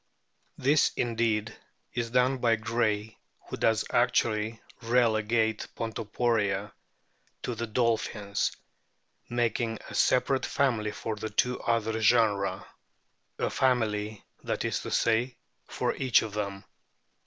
This indeed is done by Gray, who does actually relegate Pontoporia to the dolphins, making a separate family for the two other genera a family, that is to say, for each of them.